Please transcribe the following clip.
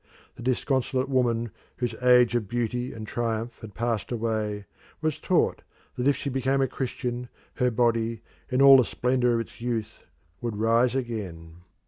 The disconsolate woman whose age of beauty and triumph had passed away was taught that if she became a Christian her body in all the splendour of its youth would rise again.